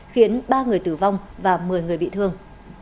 khiến ba người tử vong và một mươi người bị thương